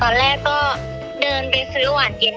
มันก็จะโดดขึ้นมาตัวนึง